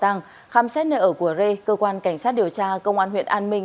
tăng khám xét nơi ở của rê cơ quan cảnh sát điều tra công an huyện an minh